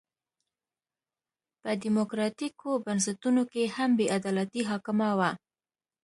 په ډیموکراټیکو بنسټونو کې هم بې عدالتي حاکمه وه.